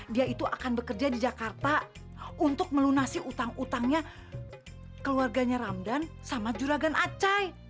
dia itu akan bekerja di jakarta untuk melunasi utang utangnya keluarganya ramdan sama juragan acai